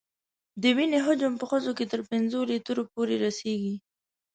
د وینې حجم په ښځو کې تر پنځو لیترو پورې رسېږي.